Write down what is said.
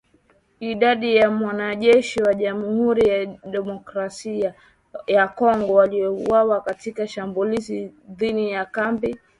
Idadi ya wanajeshi wa Jamuhuri ya Demokrasia ya Kongo waliouawa katika shambulizi dhidi ya kambi zao haijajulikana